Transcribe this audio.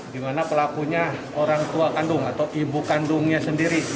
di mana pelakunya orang tua kandung atau ibu kandungnya sendiri